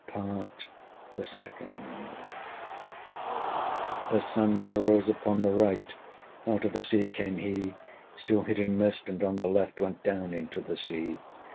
PART THE SECOND. The Sun now rose upon the right: Out of the sea came he, Still hid in mist, and on the left Went down into the sea.